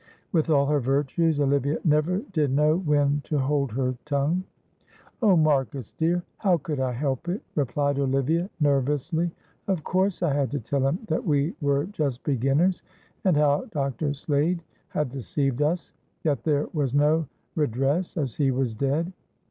With all her virtues Olivia never did know when to hold her tongue. "Oh, Marcus dear, how could I help it," replied Olivia, nervously. "Of course I had to tell him that we were just beginners, and how Dr. Slade had deceived us; that there was no redress, as he was dead.